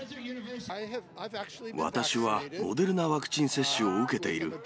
私はモデルナワクチン接種の受けている。